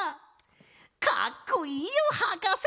かっこいいよはかせ！